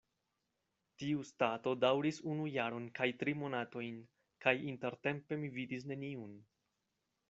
Tiustato daŭris unu jaron kaj tri monatojn, kaj intertempe mi vidis neniun.